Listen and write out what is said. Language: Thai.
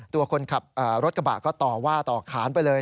ตัวคนขับรถกระบะก็ต่อว่าต่อขานไปเลย